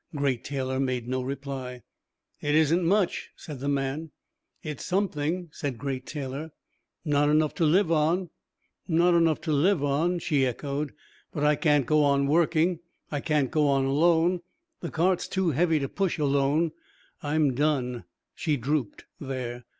Great Taylor made no reply. "It isn't much," said the man. "It's something," said Great Taylor. "Not enough to live on." "Not enough to live on," she echoed. "But I can't go on working. I can't go on alone. The cart's too heavy to push alone. I'm done." She drooped there.